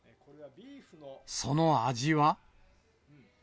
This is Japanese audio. その味は。